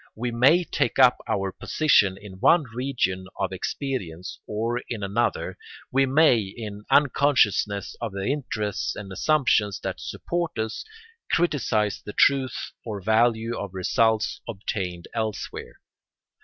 We may take up our position in one region of experience or in another, we may, in unconsciousness of the interests and assumptions that support us, criticise the truth or value of results obtained elsewhere.